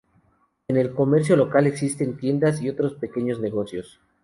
En el comercio local existen tiendas y otros pequeños negocios.